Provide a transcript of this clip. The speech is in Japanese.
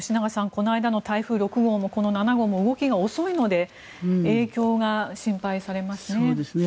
この間の台風６号もこの７号も動きが遅いので影響が心配されますね。